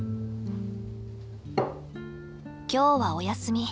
今日はお休み。